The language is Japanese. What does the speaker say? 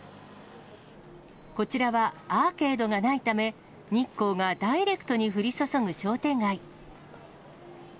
こちらはアーケードがないため、日光がダイレクトに降り注ぐ商店街。